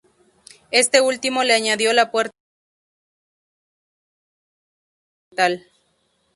Este último le añadió la puerta de entrada exterior y una elaborada fuente ornamental.